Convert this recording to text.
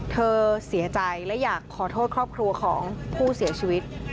เธอเสียใจและอยากขอโทษครอบครัวของผู้เสียชีวิต